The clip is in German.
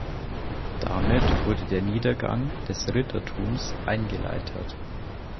Damit wurde der Niedergang des Rittertums eingeleitet.